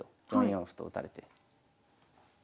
４四歩と打たれて。